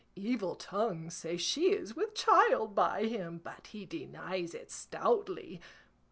Evil tongues say she is with child by him, but he denies it stoutly.